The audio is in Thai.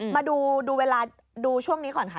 มาดูเวลาดูช่วงนี้ก่อนค่ะ